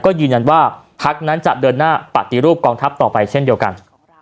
ก็ยืนยันว่าพักนั้นจะเดินหน้าปฏิรูปกองทัพต่อไปเช่นเดียวกัน